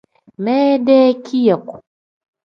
Minde kiyaku.